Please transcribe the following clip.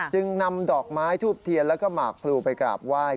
จึงนำดอกไม้ทูบเทียนแล้วก็หมากพลูไปกราบไหว้